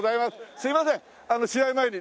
すいません試合前に。